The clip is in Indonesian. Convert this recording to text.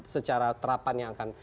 secara terapan yang akan